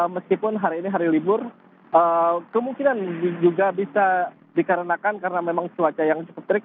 meskipun hari ini hari libur kemungkinan juga bisa dikarenakan karena memang cuaca yang cukup terik